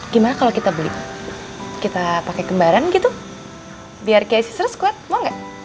gimana kalau kita beli kita pakai kembaran gitu biar kayak sister squad mau gak